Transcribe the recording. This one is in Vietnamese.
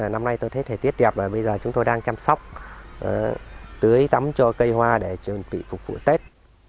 năm nay tôi thấy thời tiết đẹp và bây giờ chúng tôi đang chăm sóc tưới tắm cho cây hoa để chuẩn bị phục vụ tết